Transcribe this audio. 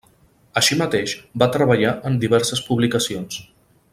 Així mateix, va treballar en diverses publicacions.